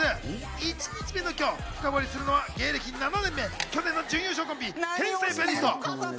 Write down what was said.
１日目の今日深掘りするのは芸歴７年目、去年の準優勝コンビ、天才ピアニスト。